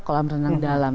kolam renang dalam